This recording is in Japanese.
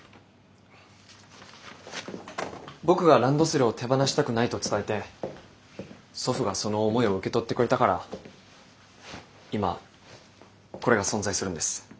僕がランドセルを手放したくないと伝えて祖父がその思いを受け取ってくれたから今これが存在するんです。